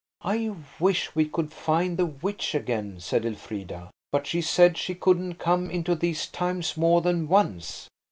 "I wish we could find the witch again," said Elfrida, "but she said she couldn't come into these times more than once."